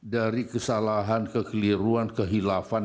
dari kesalahan kekeliruan kehilafan